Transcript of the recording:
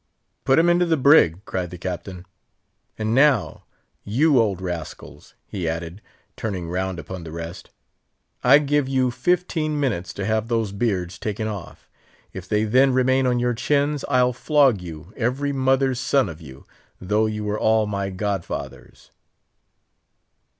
"Put him into the brig!" cried the Captain; "and now, you old rascals!" he added, turning round upon the rest, "I give you fifteen minutes to have those beards taken off; if they then remain on your chins, I'll flog you—every mother's son of you—though you were all my own god fathers!"